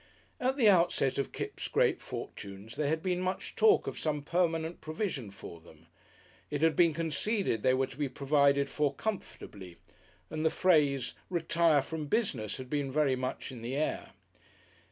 At the outset of Kipps' great fortunes there had been much talk of some permanent provision for them. It had been conceded they were to be provided for comfortably, and the phrase "retire from business" had been very much in the air.